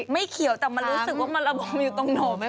ไม่เขียวแต่มันรู้สึกว่ามันระบมอยู่ตรงหนู